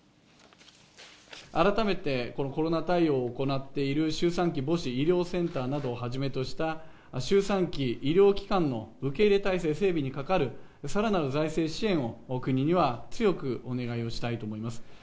改めてコロナ対応を行っている周産期母子医療センターなどをはじめとした、周産期医療機関の受け入れ態勢整備にかかるさらなる財政支援を国には強くお願いをしたいと思います。